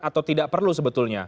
atau tidak perlu sebetulnya